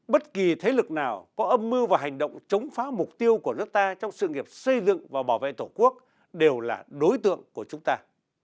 bất kỳ thế lực nào có âm mưu và hành động chống phá mục tiêu của nước ta trong sự nghiệp xây dựng và bảo vệ tổ quốc đều là đối tượng của chúng ta